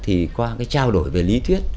thì qua cái trao đổi về lý thuyết